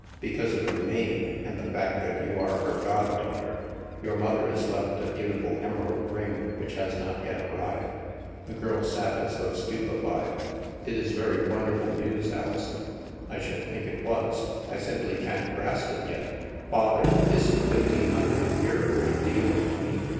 " Because of your name, and the fact that you are her goddaughter. Your mother is left a beauti ful emerald ring which has not yet arrived." STILL WATERS 15 The girl sat as though stupefied. " It is very wonderful news, Alison/' " I should think it was. I simply can't grasp it yet. Father, isn't fifteen hundred a year a great deal of money."